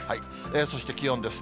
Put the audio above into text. そして気温です。